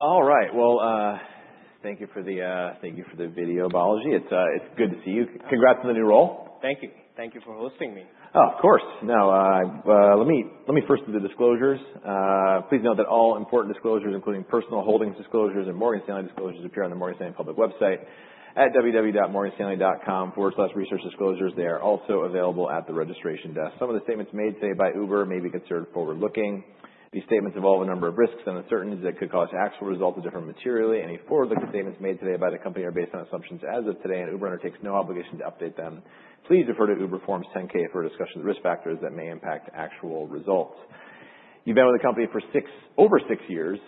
All right. Well, thank you for the video, Balaji. It's good to see you. Congrats on the new role. Thank you. Thank you for hosting me. Of course. Let me first do the disclosures. Please note that all important disclosures, including personal holdings disclosures and Morgan Stanley disclosures, appear on the Morgan Stanley public website at www.morganstanley.com/researchdisclosures. They are also available at the registration desk. Some of the statements made today by Uber may be considered forward-looking. These statements involve a number of risks and uncertainties that could cause actual results to differ materially. Any forward-looking statements made today by the company are based on assumptions as of today. Uber undertakes no obligation to update them. Please refer to Uber Form's 10-K for a discussion of the risk factors that may impact actual results. You've been with the company for over six years.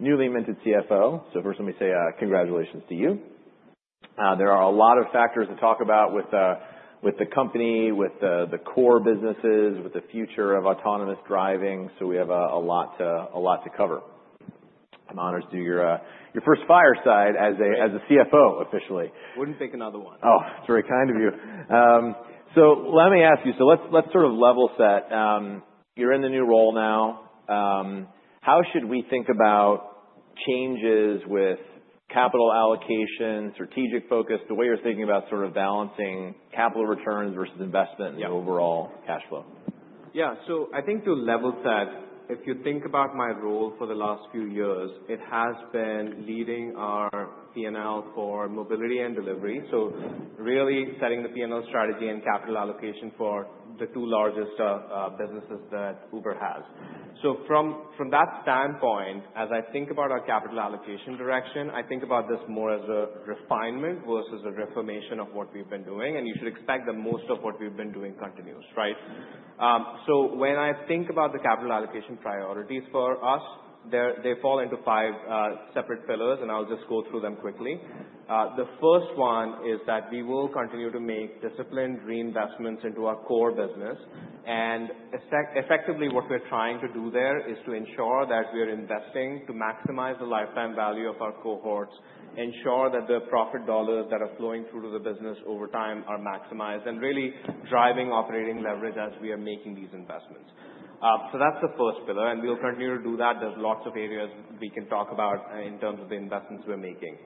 Newly minted CFO. First let me say, congratulations to you. There are a lot of factors to talk about with the company, with the core businesses, with the future of autonomous driving. We have a lot to cover. I'm honored to do your first fireside as a CFO, officially. Wouldn't pick another one. Oh, that's very kind of you. Let me ask you. Let's sort of level set. You're in the new role now. How should we think about changes with capital allocation, strategic focus, the way you're thinking about sort of balancing capital returns versus investment in the overall cash flow? Yeah. I think to level set, if you think about my role for the last few years, it has been leading our P&L for mobility and delivery. Really setting the P&L strategy and capital allocation for the two largest businesses that Uber has. From, from that standpoint, as I think about our capital allocation direction, I think about this more as a refinement versus a reformation of what we've been doing, and you should expect that most of what we've been doing continues, right? When I think about the capital allocation priorities for us, they fall into five separate pillars, and I'll just go through them quickly. The first one is that we will continue to make disciplined reinvestments into our core business. Effectively, what we're trying to do there is to ensure that we are investing to maximize the lifetime value of our cohorts, ensure that the profit dollars that are flowing through to the business over time are maximized and really driving operating leverage as we are making these investments. That's the first pillar, and we'll continue to do that. There's lots of areas we can talk about in terms of the investments we're making.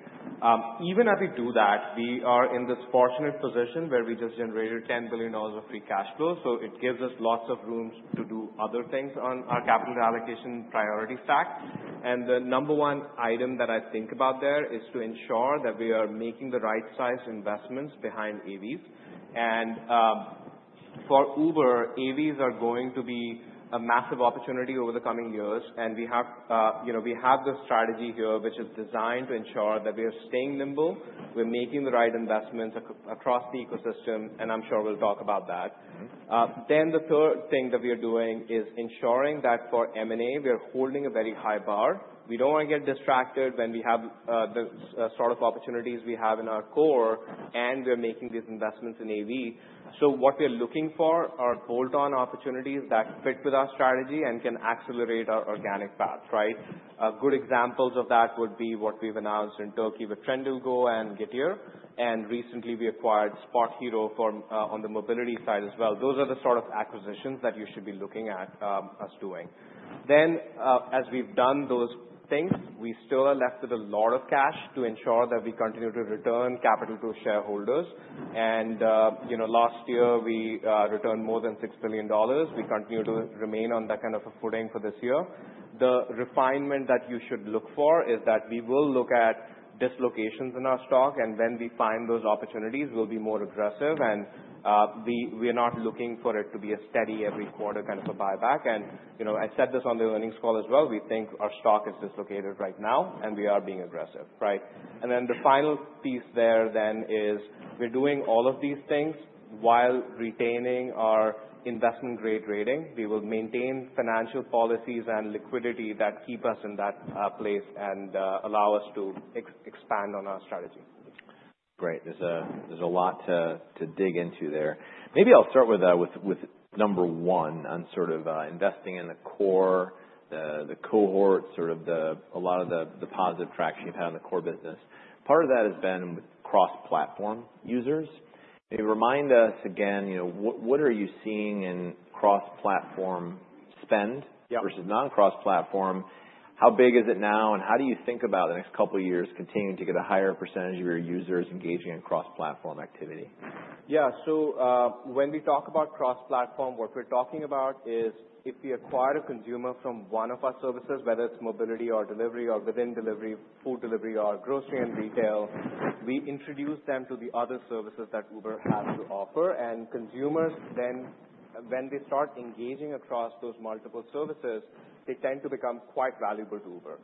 Even as we do that, we are in this fortunate position where we just generated $10 billion of free cash flow, so it gives us lots of rooms to do other things on our capital allocation priority stack. The number one item that I think about there is to ensure that we are making the right size investments behind AVs. For Uber, AVs are going to be a massive opportunity over the coming years. We have, you know, we have the strategy here, which is designed to ensure that we are staying nimble, we're making the right investments across the ecosystem, and I'm sure we'll talk about that. The third thing that we are doing is ensuring that for M&A, we are holding a very high bar. We don't want to get distracted when we have the sort of opportunities we have in our core, and we're making these investments in AV. What we are looking for are bolt-on opportunities that fit with our strategy and can accelerate our organic path, right? Good examples of that would be what we've announced in Turkey with Trendyol Go and Getir, and recently we acquired SpotHero on the mobility side as well. Those are the sort of acquisitions that you should be looking at us doing. As we've done those things, we still are left with a lot of cash to ensure that we continue to return capital to shareholders. You know, last year, we returned more than $6 billion. We continue to remain on that kind of a footing for this year. The refinement that you should look for is that we will look at dislocations in our stock, and when we find those opportunities, we'll be more aggressive. We are not looking for it to be a steady every quarter kind of a buyback. You know, I said this on the earnings call as well, we think our stock is dislocated right now, and we are being aggressive, right? The final piece there then is we're doing all of these things while retaining our investment grade rating. We will maintain financial policies and liquidity that keep us in that place and allow us to expand on our strategy. Great. There's a lot to dig into there. Maybe I'll start with number one on sort of investing in the core, the cohort, sort of the a lot of the positive traction you've had in the core business. Part of that has been with cross-platform users. Remind us again, you know, what are you seeing in cross-platform spend versus non-cross-platform? How big is it now? How do you think about the next couple of years continuing to get a higher percentage of your users engaging in cross-platform activity? When we talk about cross-platform, what we're talking about is if we acquire a consumer from one of our services, whether it's mobility or delivery or within delivery, food delivery or grocery and retail, we introduce them to the other services that Uber has to offer. Consumers then, when they start engaging across those multiple services, they tend to become quite valuable to Uber.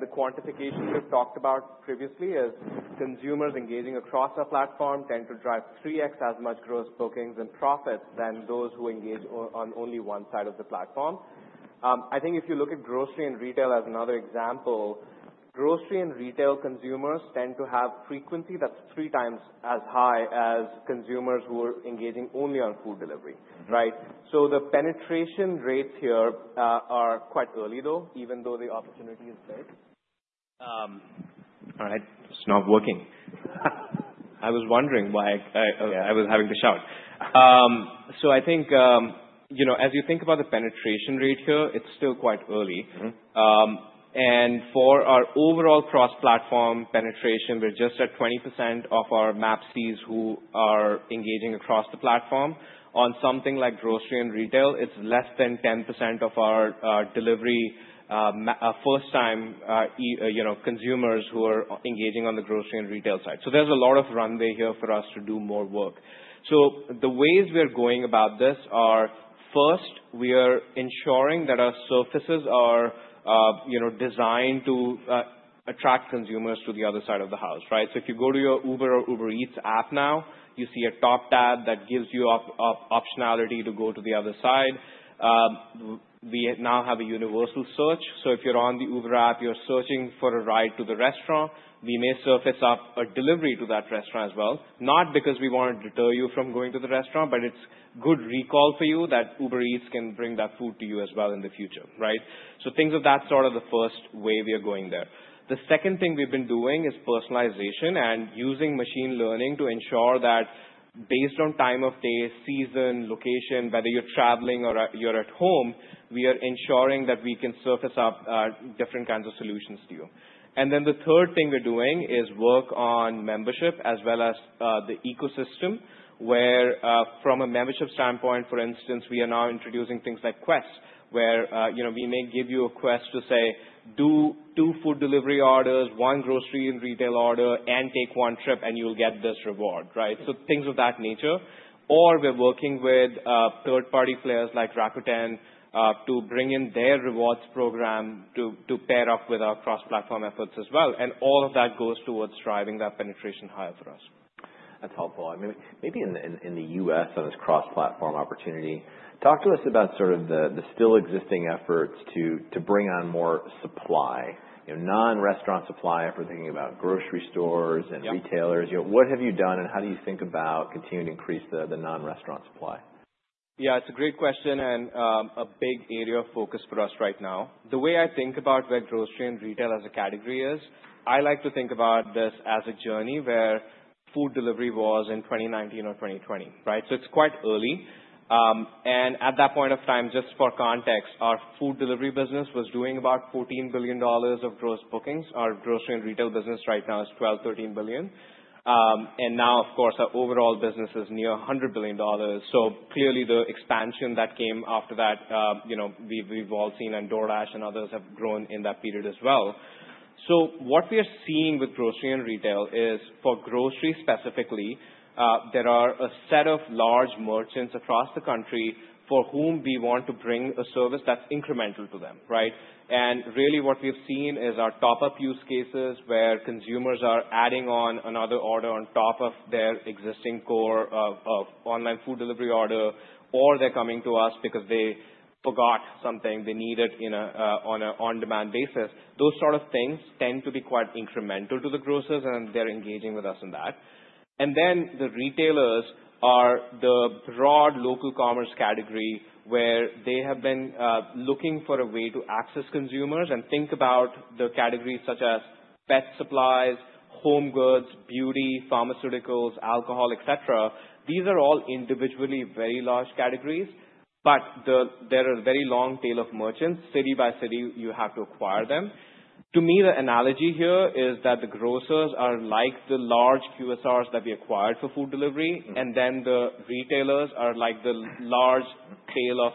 The quantification we've talked about previously is consumers engaging across our platform tend to drive 3x as much Gross Bookings and profits than those who engage on only one side of the platform. I think if you look at grocery and retail as another example, grocery and retail consumers tend to have frequency that's 3 times as high as consumers who are engaging only on food delivery. Right? The penetration rates here, are quite early, though, even though the opportunity is big. All right. It's not working. I was wondering why I was having to shout. I think, you know, as you think about the penetration rate here, it's still quite early. For our overall cross-platform penetration, we're just at 20% of our MAPCs who are engaging across the platform. On something like grocery and retail, it's less than 10% of our delivery, first time, you know, consumers who are engaging on the grocery and retail side. There's a lot of runway here for us to do more work. The ways we are going about this are, first, we are ensuring that our surfaces are, you know, designed to attract consumers to the other side of the house, right? If you go to your Uber or Uber Eats app now, you see a top tab that gives you optionality to go to the other side. We now have a universal search. If you're on the Uber app, you're searching for a ride to the restaurant, we may surface up a delivery to that restaurant as well. Not because we wanna deter you from going to the restaurant, but it's good recall for you that Uber Eats can bring that food to you as well in the future, right? Things of that sort are the first way we are going there. The second thing we've been doing is personalization and using machine learning to ensure that based on time of day, season, location, whether you're traveling or you're at home, we are ensuring that we can surface up different kinds of solutions to you. The third thing we're doing is work on membership as well as, the ecosystem, where, from a membership standpoint, for instance, we are now introducing things like Quest, where, you know, we may give you a quest to say, "Do two food delivery orders, one grocery and retail order, and take one trip, and you'll get this reward." Right? Things of that nature. We're working with, third-party players like Rakuten, to bring in their rewards program to pair up with our cross-platform efforts as well. All of that goes towards driving that penetration higher for us. That's helpful. I mean, maybe in the U.S., on this cross-platform opportunity, talk to us about sort of the still existing efforts to bring on more supply. You know, non-restaurant supply, if we're thinking about grocery stores and retailers. You know, what have you done and how do you think about continuing to increase the non-restaurant supply? Yeah, it's a great question and a big area of focus for us right now. The way I think about the grocery and retail as a category is, I like to think about this as a journey where food delivery was in 2019 or 2020, right? It's quite early. At that point of time, just for context, our food delivery business was doing about $14 billion of Gross Bookings. Our grocery and retail business right now is $12 billion-$13 billion. Now, of course, our overall business is near $100 billion. Clearly the expansion that came after that, you know, we've all seen, and DoorDash and others have grown in that period as well. What we are seeing with grocery and retail is for grocery specifically, there are a set of large merchants across the country for whom we want to bring a service that's incremental to them, right? Really what we've seen is our top-up use cases where consumers are adding on another order on top of their existing core of online food delivery order, or they're coming to us because they forgot something they needed in a on a on-demand basis. Those sort of things tend to be quite incremental to the grocers, and they're engaging with us on that. Then the retailers are the broad local commerce category where they have been looking for a way to access consumers and think about the categories such as pet supplies, home goods, beauty, pharmaceuticals, alcohol, et cetera. These are all individually very large categories, but there are very long tail of merchants. City by city, you have to acquire them. To me, the analogy here is that the grocers are like the large QSRs that we acquired for food delivery. The retailers are like the large tail of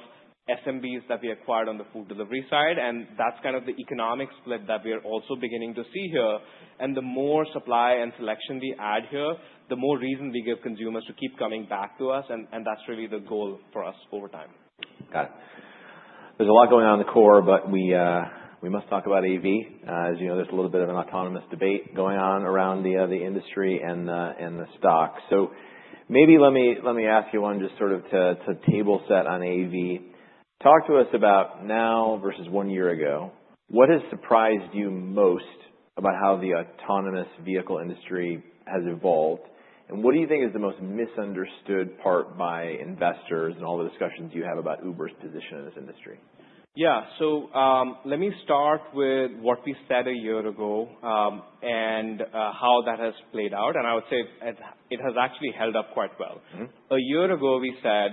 SMBs that we acquired on the food delivery side, and that's kind of the economic split that we are also beginning to see here. The more supply and selection we add here, the more reason we give consumers to keep coming back to us, and that's really the goal for us over time. Got it. There's a lot going on in the core, but we must talk about AV. As you know, there's a little bit of an autonomous debate going on around the industry and the stock. Maybe let me, let me ask you one just sort of to table set on AV. Talk to us about now versus one year ago, what has surprised you most about how the autonomous vehicle industry has evolved? And what do you think is the most misunderstood part by investors in all the discussions you have about Uber's position in this industry? Yeah. Let me start with what we said a year ago, and how that has played out. I would say it has actually held up quite well. A year ago we said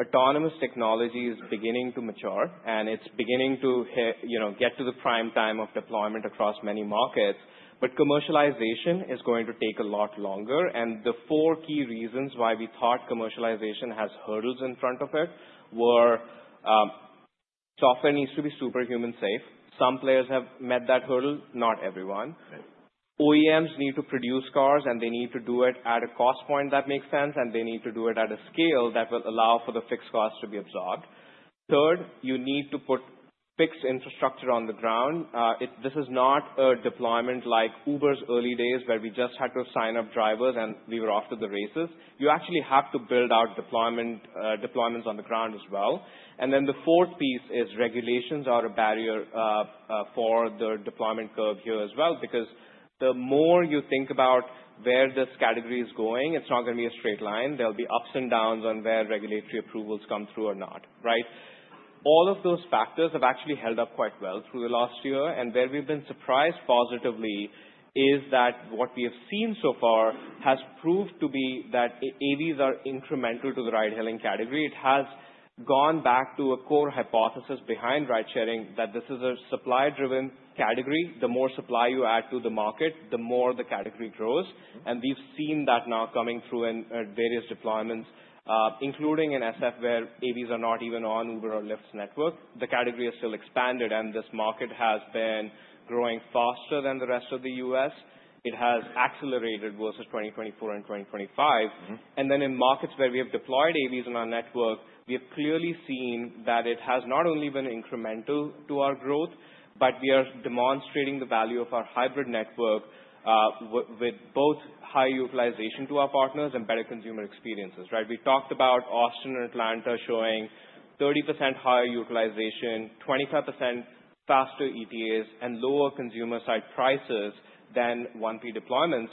autonomous technology is beginning to mature and it's beginning to you know, get to the prime time of deployment across many markets, but commercialization is going to take a lot longer. The four key reasons why we thought commercialization has hurdles in front of it were, software needs to be superhuman safe. Some players have met that hurdle, not everyone. Right. OEMs need to produce cars and they need to do it at a cost point that makes sense, and they need to do it at a scale that will allow for the fixed cost to be absorbed. Third, you need to put fixed infrastructure on the ground. This is not a deployment like Uber's early days where we just had to sign up drivers and we were off to the races. You actually have to build out deployment, deployments on the ground as well. The fourth piece is regulations are a barrier for the deployment curve here as well because the more you think about where this category is going, it's not gonna be a straight line. There'll be ups and downs on where regulatory approvals come through or not, right? All of those factors have actually held up quite well through the last year. Where we've been surprised positively is that what we have seen so far has proved to be that AVs are incremental to the ride hailing category. It has gone back to a core hypothesis behind ride sharing that this is a supply driven category. The more supply you add to the market, the more the category grows. We've seen that now coming through in various deployments, including in SF, where AVs are not even on Uber or Lyft's network. The category has still expanded, and this market has been growing faster than the rest of the U.S. It has accelerated versus 2024 and 2025. Then in markets where we have deployed AVs on our network, we have clearly seen that it has not only been incremental to our growth, but we are demonstrating the value of our hybrid network, with both high utilization to our partners and better consumer experiences, right? We talked about Austin and Atlanta showing 30% higher utilization, 25% faster ETAs, and lower consumer side prices than 1P deployments.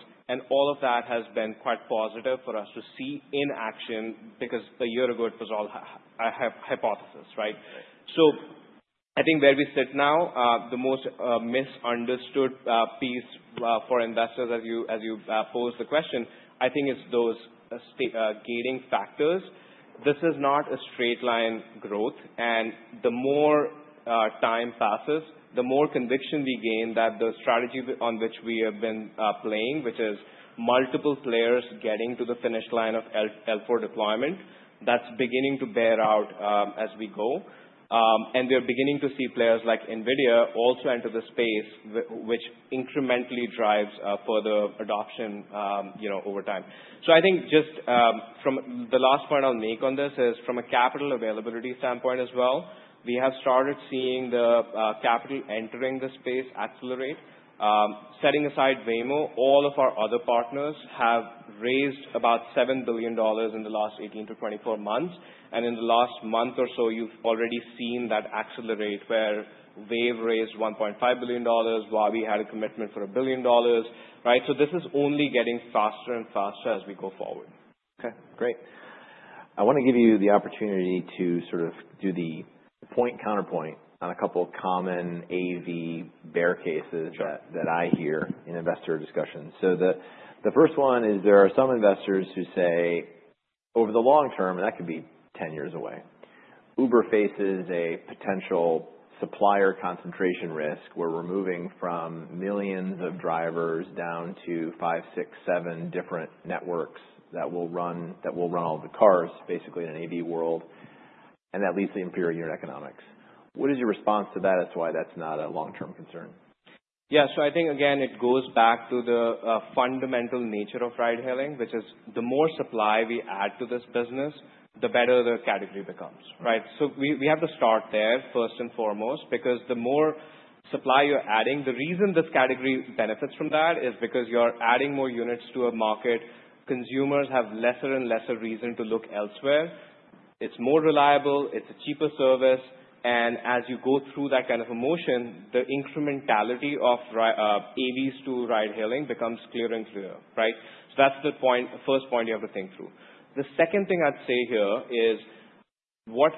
All of that has been quite positive for us to see in action, because a year ago it was all hypothesis, right? Right. I think where we sit now, the most misunderstood piece for investors as you, as you pose the question, I think it's those gating factors. This is not a straight line growth. The more time passes, the more conviction we gain that the strategy on which we have been playing, which is multiple players getting to the finish line of L4 deployment, that's beginning to bear out as we go. We are beginning to see players like Nvidia also enter the space which incrementally drives further adoption, you know, over time. I think just, the last point I'll make on this is from a capital availability standpoint as well, we have started seeing the capital entering the space accelerate. Setting aside Waymo, all of our other partners have raised about $7 billion in the last 18-24 months. In the last month or so, you've already seen that accelerate where they've raised $1.5 billion, while we had a commitment for $1 billion, right? This is only getting faster and faster as we go forward. Okay, great. I wanna give you the opportunity to sort of do the point counterpoint on a couple of common AV bear cases. Sure. that I hear in investor discussions. The first one is there are some investors who say over the long term, and that could be 10 years away, Uber faces a potential supplier concentration risk. We're moving from millions of drivers down to five, six, seven different networks that will run all the cars basically in an AV world, and that leads to inferior unit economics. What is your response to that as why that's not a long term concern? Yeah. I think again, it goes back to the fundamental nature of ride hailing, which is the more supply we add to this business, the better the category becomes, right? We have to start there first and foremost, because the more supply you're adding, the reason this category benefits from that is because you're adding more units to a market. Consumers have lesser and lesser reason to look elsewhere. It's more reliable, it's a cheaper service, and as you go through that kind of a motion, the incrementality of AVs to ride hailing becomes clearer and clearer, right? That's the point, first point you have to think through. The second thing I'd say here is what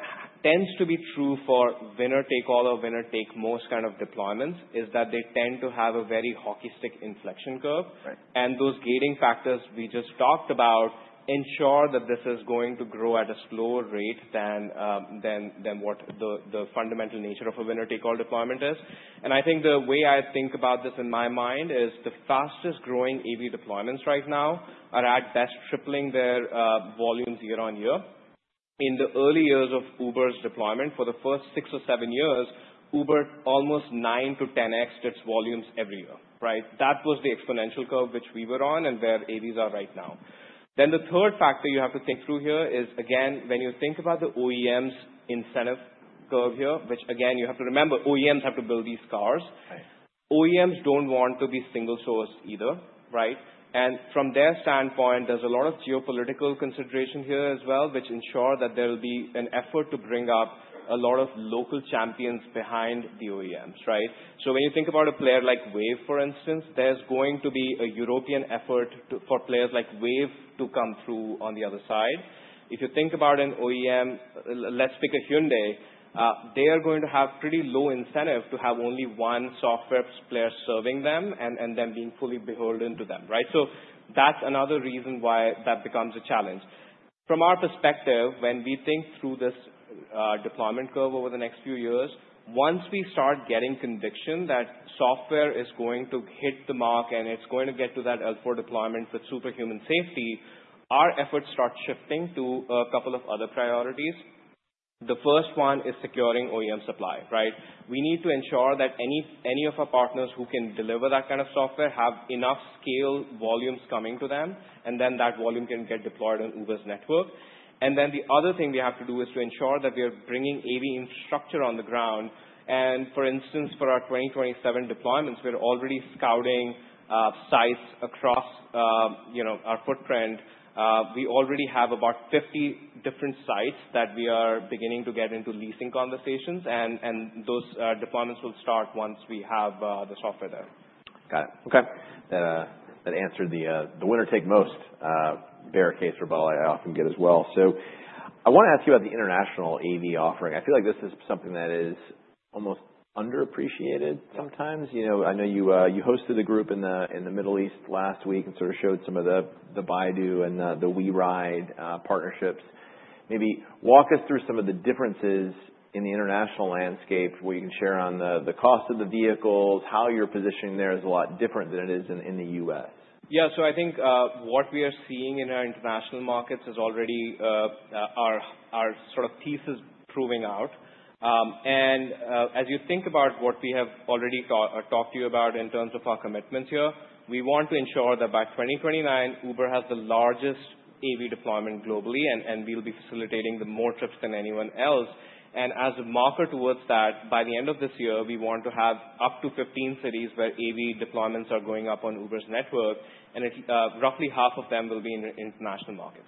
tends to be true for winner take all or winner take most kind of deployments is that they tend to have a very hockey stick inflection curve. Right. Those gating factors we just talked about ensure that this is going to grow at a slower rate than what the fundamental nature of a winner take all deployment is. I think the way I think about this in my mind is the fastest growing AV deployments right now are at best tripling their volumes year on year. In the early years of Uber's deployment, for the first six or seven years, Uber almost 9 to 10x'd its volumes every year, right. That was the exponential curve which we were on and where AVs are right now. The third factor you have to think through here is, again, when you think about the OEM's incentive curve here, which again, you have to remember, OEMs have to build these cars. Right. OEMs don't want to be single sourced either, right? From their standpoint, there's a lot of geopolitical consideration here as well, which ensure that there will be an effort to bring up a lot of local champions behind the OEMs, right? When you think about a player like Wayve, for instance, there's going to be a European effort for players like Wayve to come through on the other side. If you think about an OEM, let's pick a Hyundai, they are going to have pretty low incentive to have only one software player serving them and them being fully beholden to them, right? That's another reason why that becomes a challenge. From our perspective, when we think through this deployment curve over the next few years, once we start getting conviction that software is going to hit the mark and it's going to get to that L4 deployment with superhuman safety, our efforts start shifting to a couple of other priorities. The first one is securing OEM supply, right? We need to ensure that any of our partners who can deliver that kind of software have enough scale volumes coming to them, and then that volume can get deployed on Uber's network. The other thing we have to do is to ensure that we are bringing AV infrastructure on the ground. For instance, for our 2027 deployments, we're already scouting sites across, you know, our footprint. We already have about 50 different sites that we are beginning to get into leasing conversations and those deployments will start once we have the software there. Got it. Okay. That answered the winner take most bear case for Bala I often get as well. I wanna ask you about the international AV offering. I feel like this is something that is almost underappreciated sometimes. You know, I know you hosted a group in the Middle East last week and sort of showed some of the Baidu and the WeRide partnerships. Maybe walk us through some of the differences in the international landscape, what you can share on the cost of the vehicles, how your positioning there is a lot different than it is in the U.S.? I think what we are seeing in our international markets is already our sort of thesis proving out. As you think about what we have already talked to you about in terms of our commitments here, we want to ensure that by 2029 Uber has the largest AV deployment globally, and we'll be facilitating more trips than anyone else. As a marker towards that, by the end of this year, we want to have up to 15 cities where AV deployments are going up on Uber's network. It roughly half of them will be in the international markets.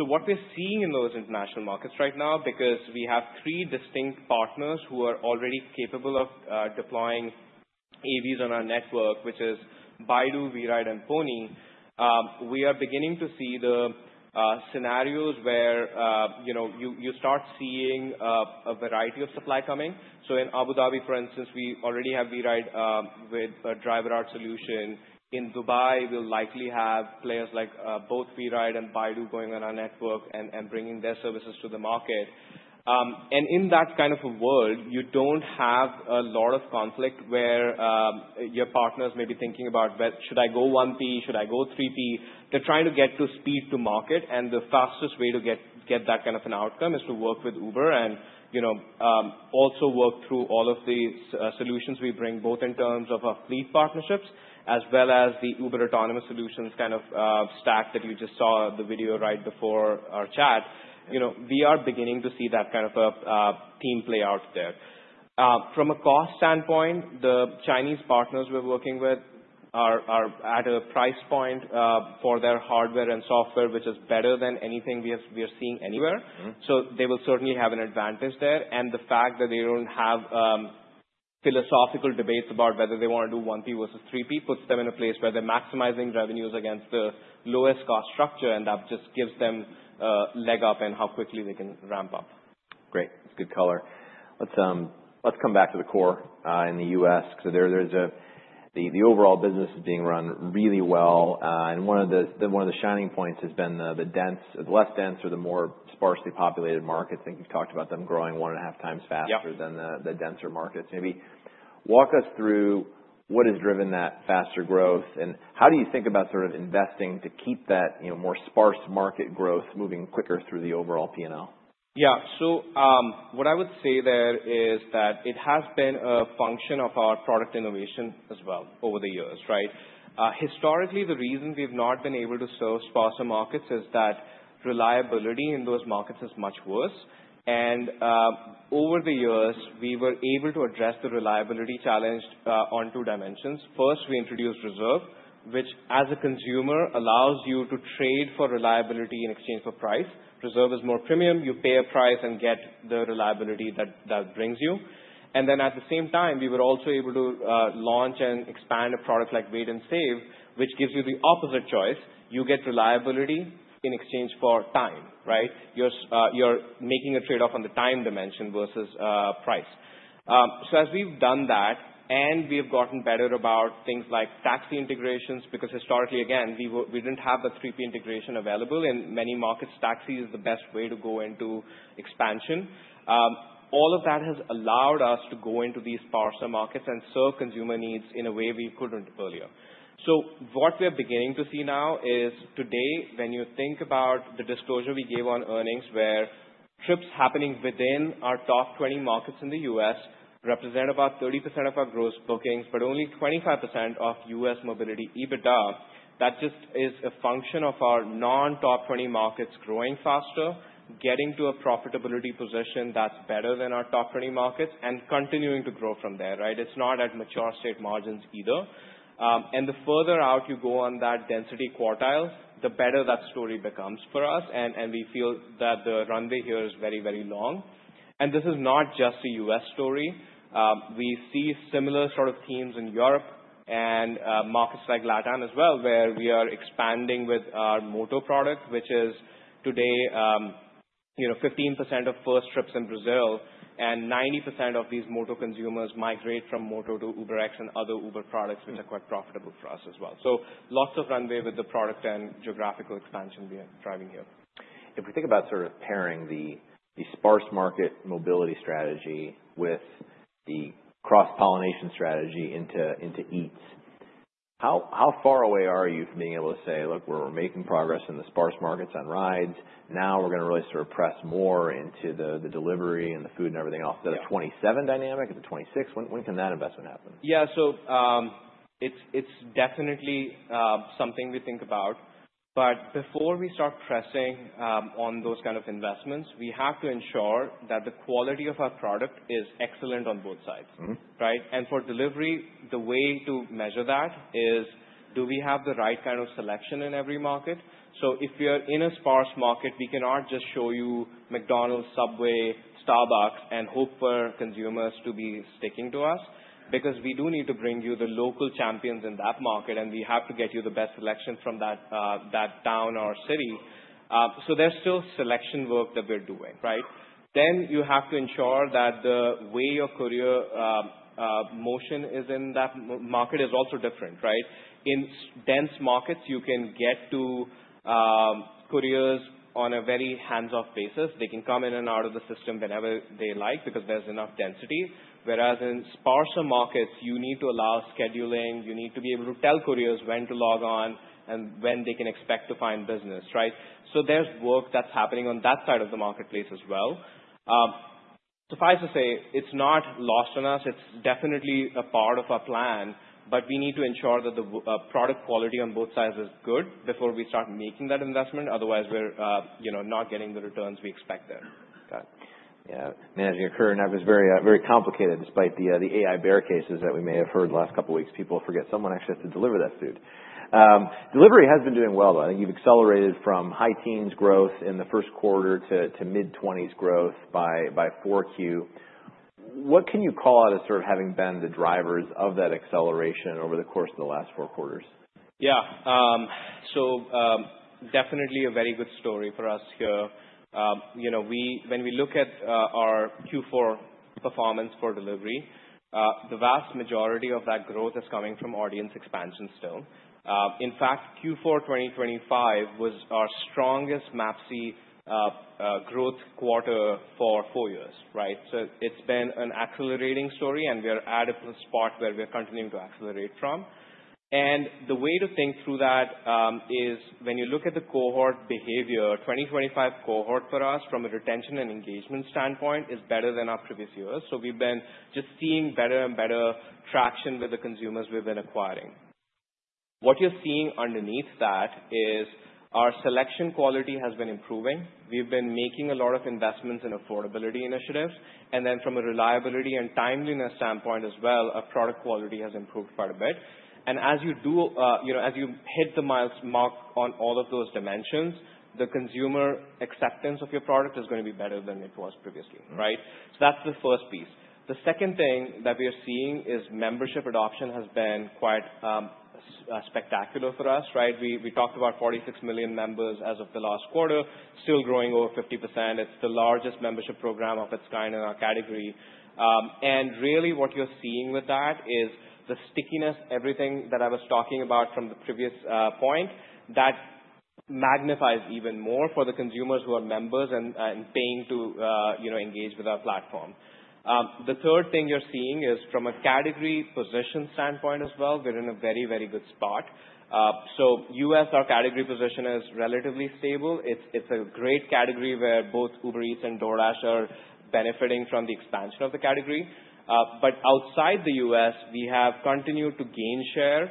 What we're seeing in those international markets right now, because we have three distinct partners who are already capable of deploying AVs on our network, which is Baidu, WeRide and Pony, we are beginning to see the scenarios where, you know, you start seeing a variety of supply coming. In Abu Dhabi, for instance, we already have WeRide with a driverless solution. In Dubai, we'll likely have players like both WeRide and Baidu going on our network and bringing their services to the market. In that kind of a world, you don't have a lot of conflict where your partners may be thinking about, "Well, should I go 1P? Should I go 3P?" They're trying to get to speed to market, and the fastest way to get that kind of an outcome is to work with Uber and, you know, also work through all of these solutions we bring, both in terms of our fleet partnerships as well as the Uber Autonomous Solutions kind of stack that you just saw the video right before our chat. You know, we are beginning to see that kind of a team play out there. From a cost standpoint, the Chinese partners we're working with are at a price point for their hardware and software, which is better than anything we are seeing anywhere. They will certainly have an advantage there. The fact that they don't have philosophical debates about whether they wanna do 1P versus 3P puts them in a place where they're maximizing revenues against the lowest cost structure, and that just gives them a leg up in how quickly they can ramp up. Great. That's good color. Let's, let's come back to the core, in the U.S., 'cause there's the overall business is being run really well. One of the shining points has been the dense, the less dense or the more sparsely populated markets. I think you've talked about them growing 1.5 times faster than the denser markets. Maybe walk us through what has driven that faster growth. How do you think about sort of investing to keep that, you know, more sparse market growth moving quicker through the overall P&L? What I would say there is that it has been a function of our product innovation as well over the years, right? Historically, the reason we've not been able to serve sparser markets is that reliability in those markets is much worse. Over the years, we were able to address the reliability challenge on two dimensions. First, we introduced Reserve, which as a consumer allows you to trade for reliability in exchange for price. Reserve is more premium. You pay a price and get the reliability that brings you. At the same time, we were also able to launch and expand a product like Wait & Save, which gives you the opposite choice. You get reliability in exchange for time, right? You're making a trade-off on the time dimension versus price. As we've done that and we have gotten better about things like taxi integrations, because historically, again, we didn't have a 3P integration available. In many markets, taxi is the best way to go into expansion. All of that has allowed us to go into these sparser markets and serve consumer needs in a way we couldn't earlier. What we're beginning to see now is today, when you think about the disclosure we gave on earnings, where trips happening within our top 20 markets in the U.S. represent about 30% of our Gross Bookings, but only 25% of U.S. mobility EBITDA. That just is a function of our non-top 20 markets growing faster, getting to a profitability position that's better than our top 20 markets, and continuing to grow from there, right? It's not at mature state margins either. The further out you go on that density quartile, the better that story becomes for us. We feel that the runway here is very, very long. This is not just a U.S. story. We see similar sort of themes in Europe and markets like Latam as well, where we are expanding with our Moto product, which is today, you know, 15% of first trips in Brazil, and 90% of these Moto consumers migrate from Moto to UberX and other Uber products, which are quite profitable for us as well. Lots of runway with the product and geographical expansion we are driving here. If we think about sort of pairing the sparse market mobility strategy with the cross-pollination strategy into Eats, how far away are you from being able to say, "Look, we're making progress in the sparse markets on rides. Now we're gonna really sort of press more into the delivery and the food and everything else. Yeah. Is that a 27 dynamic? Is it 26? When, when can that investment happen? Yeah. It's definitely something we think about. Before we start pressing on those kind of investments, we have to ensure that the quality of our product is excellent on both sides. Right? For delivery, the way to measure that is. Do we have the right kind of selection in every market? If we are in a sparse market, we cannot just show you McDonald's, Subway, Starbucks, and hope for consumers to be sticking to us because we do need to bring you the local champions in that market, and we have to get you the best selection from that town or city. There's still selection work that we're doing, right? You have to ensure that the way your courier motion is in that market is also different, right? In dense markets, you can get to couriers on a very hands-off basis. They can come in and out of the system whenever they like because there's enough density. Whereas in sparser markets, you need to allow scheduling, you need to be able to tell couriers when to log on and when they can expect to find business, right? There's work that's happening on that side of the marketplace as well. Suffice to say, it's not lost on us. It's definitely a part of our plan, but we need to ensure that the product quality on both sides is good before we start making that investment. Otherwise, we're, you know, not getting the returns we expect there. Got it. Yeah. Managing a courier network is very, very complicated despite the AI bear cases that we may have heard last couple weeks. People forget someone actually has to deliver that food. Delivery has been doing well, though. You've accelerated from high teens growth in the first quarter to mid-twenties growth by Q4. What can you call out as sort of having been the drivers of that acceleration over the course of the last four quarters? Definitely a very good story for us here. You know, when we look at our Q4 performance for delivery, the vast majority of that growth is coming from audience expansion still. In fact, Q4 2025 was our strongest MAPCs growth quarter for four years, right? It's been an accelerating story, and we are at a spot where we are continuing to accelerate from. The way to think through that is when you look at the cohort behavior, 2025 cohort for us from a retention and engagement standpoint is better than our previous years. We've been just seeing better and better traction with the consumers we've been acquiring. What you're seeing underneath that is our selection quality has been improving. We've been making a lot of investments in affordability initiatives, then from a reliability and timeliness standpoint as well, our product quality has improved quite a bit. As you do, you know, as you hit the miles mark on all of those dimensions, the consumer acceptance of your product is gonna be better than it was previously, right? That's the first piece. The second thing that we are seeing is membership adoption has been quite spectacular for us, right? We talked about $46 million members as of the last quarter, still growing over 50%. It's the largest membership program of its kind in our category. Really what you're seeing with that is the stickiness, everything that I was talking about from the previous point, that magnifies even more for the consumers who are members and paying to, you know, engage with our platform. The third thing you're seeing is from a category position standpoint as well, we're in a very, very good spot. U.S., our category position is relatively stable. It's, it's a great category where both Uber Eats and DoorDash are benefiting from the expansion of the category. Outside the U.S., we have continued to gain share,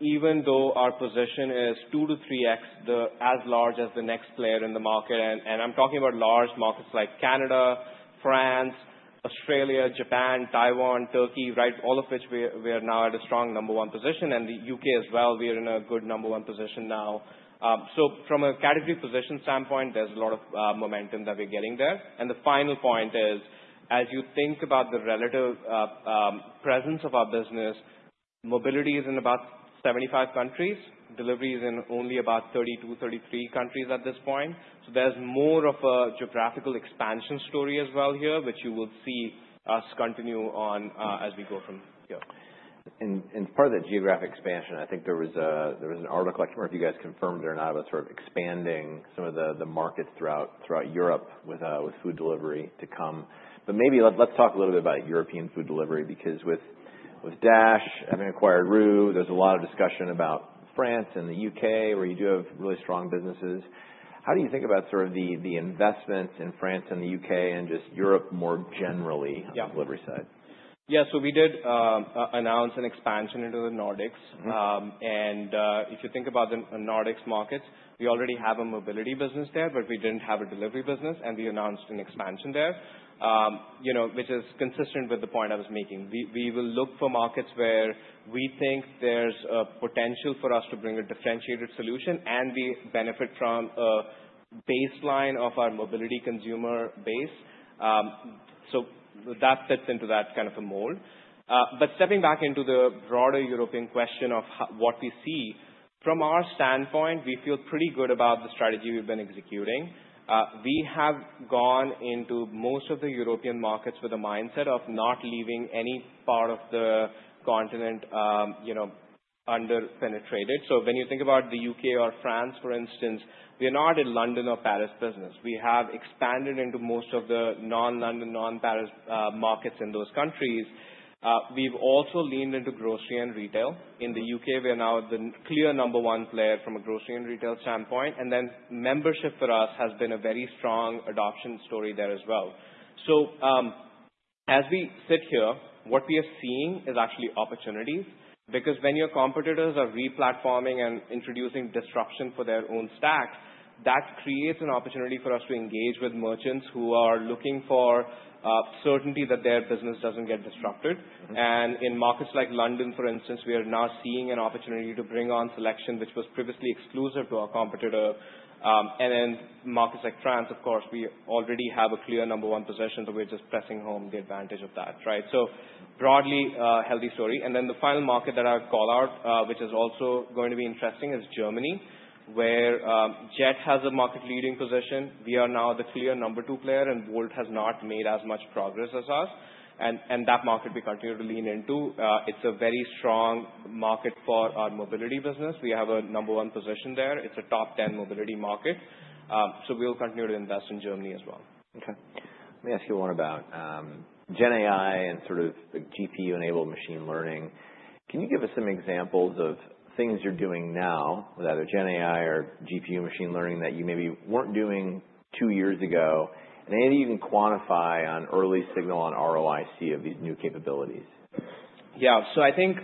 even though our position is 2-3x, the, as large as the next player in the market. I'm talking about large markets like Canada, France, Australia, Japan, Taiwan, Turkey, right? All of which we are now at a strong number 1 position. In the U.K. as well, we are in a good number one position now. from a category position standpoint, there's a lot of momentum that we're getting there. The final point is, as you think about the relative presence of our business, mobility is in about 75 countries. Delivery is in only about 32, 33 countries at this point. there's more of a geographical expansion story as well here, which you will see us continue on as we go from here. In part of that geographic expansion, I think there was an article, I can't remember if you guys confirmed it or not, about sort of expanding some of the markets throughout Europe with food delivery to come. Maybe let's talk a little bit about European food delivery, because with DoorDash, having acquired Roo, there's a lot of discussion about France and the U.K., where you do have really strong businesses. How do you think about sort of the investment in France and the U.K. and just Europe more generally on the delivery side? Yeah. We did announce an expansion into the Nordics. If you think about the Nordics markets, we already have a mobility business there, but we didn't have a delivery business, and we announced an expansion there. You know, which is consistent with the point I was making. We will look for markets where we think there's a potential for us to bring a differentiated solution, and we benefit from a baseline of our mobility consumer base. That fits into that kind of a mold. Stepping back into the broader European question of what we see, from our standpoint, we feel pretty good about the strategy we've been executing. We have gone into most of the European markets with a mindset of not leaving any part of the continent, you know, under penetrated. When you think about the U.K. or France, for instance, we are not a London or Paris business. We have expanded into most of the non-London, non-Paris markets in those countries. We've also leaned into grocery and retail. In the U.K., we are now the clear number one player from a grocery and retail standpoint, and then membership for us has been a very strong adoption story there as well. As we sit here, what we are seeing is actually opportunities because when your competitors are re-platforming and introducing disruption for their own stacks. That creates an opportunity for us to engage with merchants who are looking for certainty that their business doesn't get disrupted. In markets like London, for instance, we are now seeing an opportunity to bring on selection, which was previously exclusive to our competitor. In markets like France, of course, we already have a clear number one position, so we're just pressing home the advantage of that. Right? Broadly, healthy story. The final market that I would call out, which is also going to be interesting, is Germany, where Jet has a market leading position. We are now the clear number two player, and Bolt has not made as much progress as us. That market we continue to lean into. It's a very strong market for our mobility business. We have a number one position there. It's a top 10 mobility market, we'll continue to invest in Germany as well. Okay. Let me ask you one about GenAI and sort of the GPU-enabled machine learning. Can you give us some examples of things you're doing now with either GenAI or GPU machine learning that you maybe weren't doing two years ago? Maybe you can quantify on early signal on ROIC of these new capabilities. I think,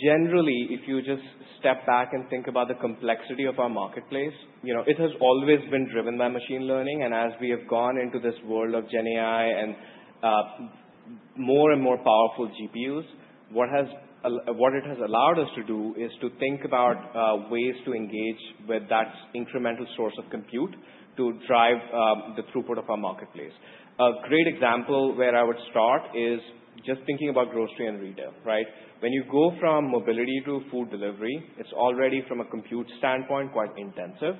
generally, if you just step back and think about the complexity of our marketplace, you know, it has always been driven by machine learning. As we have gone into this world of GenAI and more and more powerful GPUs, what it has allowed us to do is to think about ways to engage with that incremental source of compute to drive the throughput of our marketplace. A great example where I would start is just thinking about grocery and retail, right? When you go from mobility to food delivery, it's already, from a compute standpoint, quite intensive.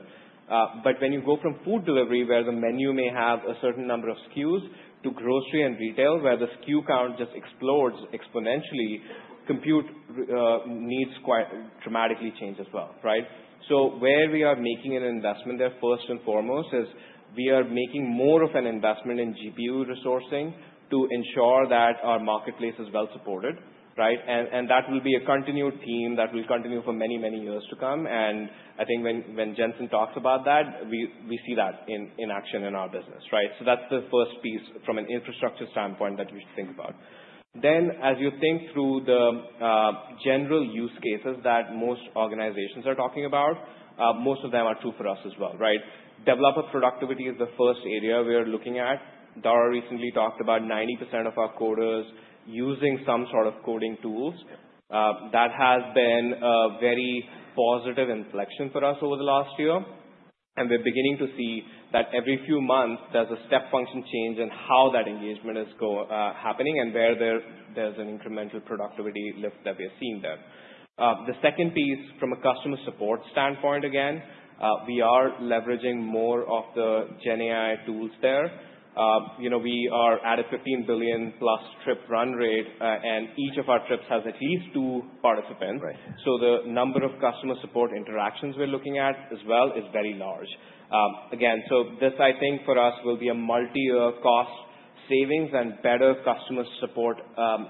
When you go from food delivery, where the menu may have a certain number of SKUs, to grocery and retail, where the SKU count just explodes exponentially, compute needs quite dramatically change as well, right? Where we are making an investment there, first and foremost, is we are making more of an investment in GPU resourcing to ensure that our marketplace is well supported, right? That will be a continued theme that will continue for many, many years to come. I think when Jensen talks about that, we see that in action in our business, right? That's the first piece from an infrastructure standpoint that we should think about. As you think through the general use cases that most organizations are talking about, most of them are true for us as well, right? Developer productivity is the first area we are looking at. Dara recently talked about 90% of our coders using some sort of coding tools. Yeah. That has been a very positive inflection for us over the last year, and we're beginning to see that every few months there's a step function change in how that engagement is happening and where there's an incremental productivity lift that we are seeing there. The second piece from a customer support standpoint, again, we are leveraging more of the GenAI tools there. You know, we are at a 15 billion-plus trip run rate, and each of our trips has at least two participants. Right. The number of customer support interactions we're looking at as well is very large. Again, this, I think, for us will be a multiyear cost savings and better customer support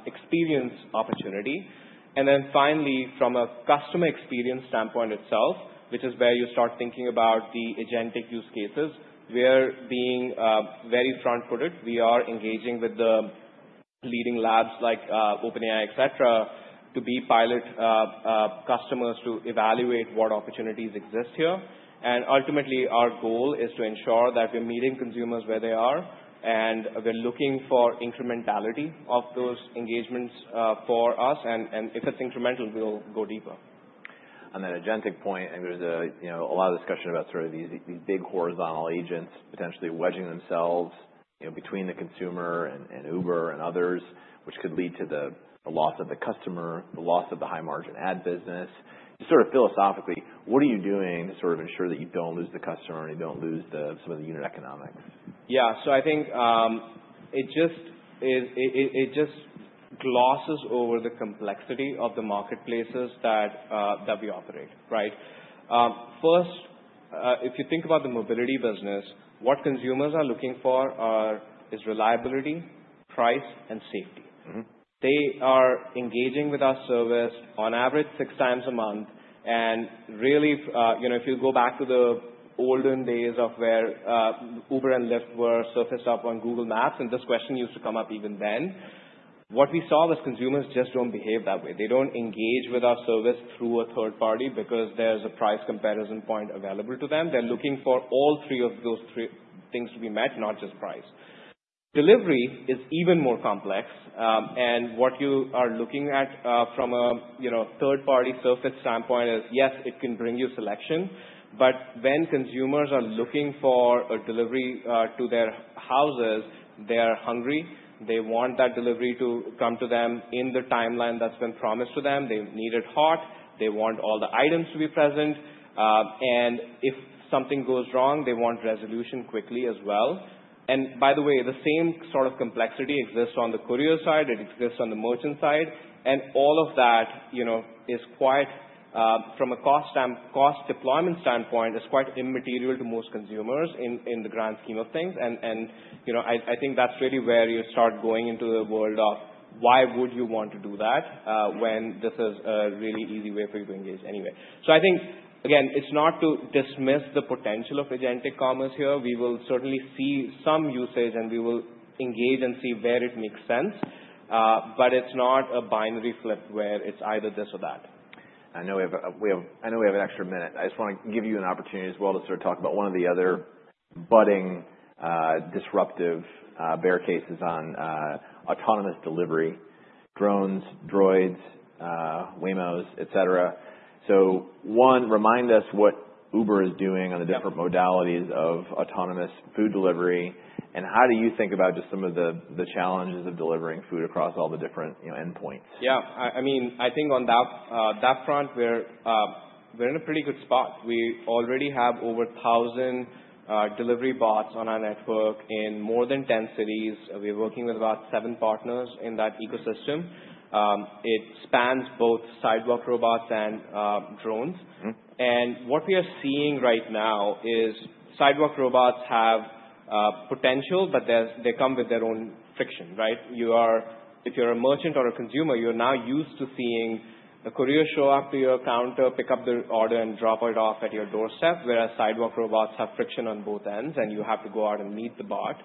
experience opportunity. Finally, from a customer experience standpoint itself, which is where you start thinking about the agentic use cases, we're being very front-footed. We are engaging with the leading labs like OpenAI, et cetera, to be pilot customers to evaluate what opportunities exist here. Ultimately, our goal is to ensure that we're meeting consumers where they are, and we're looking for incrementality of those engagements for us. If it's incremental, we'll go deeper. On that agentic point, and there's a, you know, a lot of discussion about sort of these big horizontal agents potentially wedging themselves, you know, between the consumer and Uber and others, which could lead to the loss of the customer, the loss of the high-margin ad business. Just sort of philosophically, what are you doing to sort of ensure that you don't lose the customer and you don't lose the, some of the unit economics? I think it just glosses over the complexity of the marketplaces that we operate, right? First, if you think about the mobility business, what consumers are looking for is reliability, price, and safety. They are engaging with our service on average six times a month. Really, you know, if you go back to the olden days of where Uber and Lyft were surfaced up on Google Maps, and this question used to come up even then, what we saw was consumers just don't behave that way. They don't engage with our service through a third party because there's a price comparison point available to them. They're looking for all three of those three things to be met, not just price. Delivery is even more complex. What you are looking at, from a, you know, third-party surface standpoint is, yes, it can bring you selection, but when consumers are looking for a delivery to their houses, they are hungry. They want that delivery to come to them in the timeline that's been promised to them. They need it hot. They want all the items to be present. If something goes wrong, they want resolution quickly as well. By the way, the same sort of complexity exists on the courier side, it exists on the merchant side. All of that, you know, is quite, from a cost deployment standpoint, is quite immaterial to most consumers in the grand scheme of things. You know, I think that's really where you start going into the world of why would you want to do that, when this is a really easy way for you to engage anyway. I think, again, it's not to dismiss the potential of agentic commerce here. We will certainly see some usage, and we will engage and see where it makes sense. It's not a binary flip where it's either this or that. I know we have an extra minute. I just wanna give you an opportunity as well to sort of talk about one of the other budding, disruptive bear cases on autonomous delivery, drones, droids, Waymos, et cetera. One, remind us what Uber is doing on the different modalities of autonomous food delivery, and how do you think about just some of the challenges of delivering food across all the different, you know, endpoints? Yeah. I mean, I think on that front we're in a pretty good spot. We already have over 1,000, delivery bots on our network in more than 10 cities. We are working with about seven partners in that ecosystem. It spans both sidewalk robots and drones. What we are seeing right now is sidewalk robots have potential, they come with their own friction, right? If you're a merchant or a consumer, you're now used to seeing a courier show up to your counter, pick up the order, and drop it off at your doorstep, whereas sidewalk robots have friction on both ends, you have to go out and meet the bot.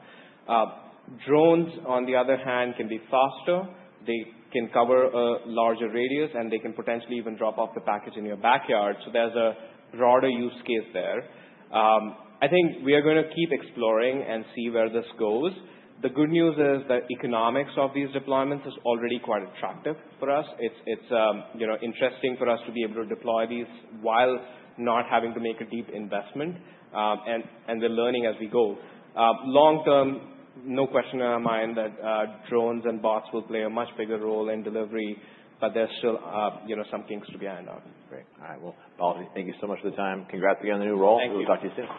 Drones on the other hand, can be faster, they can cover a larger radius, and they can potentially even drop off the package in your backyard, there's a broader use case there. I think we are gonna keep exploring and see where this goes. The good news is that economics of these deployments is already quite attractive for us. It's, you know, interesting for us to be able to deploy these while not having to make a deep investment, and we're learning as we go. Long term, no question in my mind that drones and bots will play a much bigger role in delivery, but there's still, you know, some kinks to be ironed out. Great. All right. Well, Balaji, thank you so much for the time. Congrats again on the new role. Thank you. We'll talk to you soon.